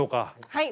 はい。